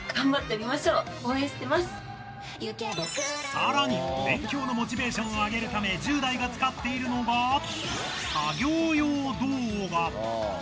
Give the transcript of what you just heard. さらに勉強のモチベーションを上げるため１０代が使っているのが「作業用動画」。